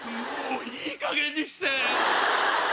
いいかげんにして！